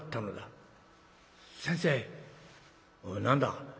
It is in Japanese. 「何だ？」。